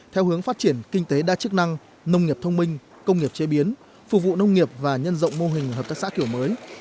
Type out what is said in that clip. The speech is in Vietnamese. theo hướng phát triển kinh tế đa chức năng nông nghiệp thông minh công nghiệp chế biến phục vụ nông nghiệp và nhân rộng mô hình hợp tác xã kiểu mới